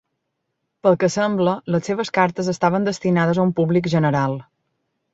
Pel que sembla, les seves cartes estaven destinades a un públic general.